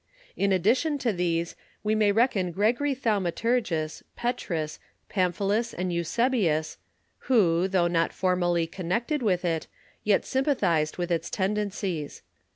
In addition to these, we may reckon Gregory Thaumaturgus, Petrus, Pamphilus, and Eusebius, who, though not formally connected with it, yet sympathized with its ten dencies.